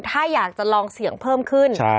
ถ้าอยากจะลองเสี่ยงเพิ่มขึ้น